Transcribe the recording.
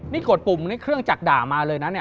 นี่กดปุ่มเครื่องจักรด่ามาเลยนะ